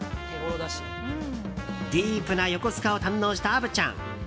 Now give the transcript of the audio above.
ディープな横須賀を堪能した虻ちゃん。